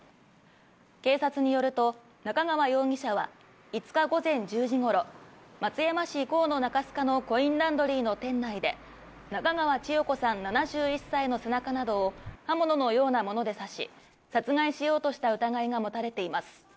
警察によると、中川容疑者は、５日午前１０時ごろ、松山市河野中須賀のコインランドリーの店内で、中川千代子さん７１歳の背中などを、刃物のようなもので刺し、殺害しようとした疑いが持たれています。